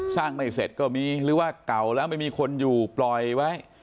ไม่เสร็จก็มีหรือว่าเก่าแล้วไม่มีคนอยู่ปล่อยไว้